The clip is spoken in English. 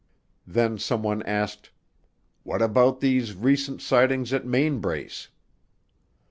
Then someone asked, "What about these recent sightings at Mainbrace?"